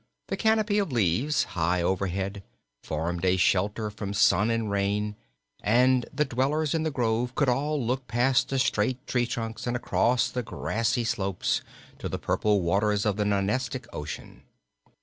The canopy of leaves, high overhead, formed a shelter from sun and rain, and the dwellers in the grove could all look past the straight tree trunks and across the grassy slopes to the purple waters of the Nonestic Ocean.